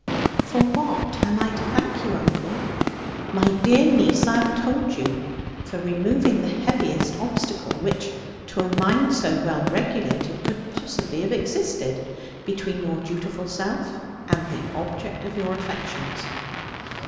'For what am I to thank you, uncle?' 'My dear niece, I have told you. For removing the heaviest obstacle, which to a mind so well regulated could possibly have existed, between your dutiful self and the object of your affections.'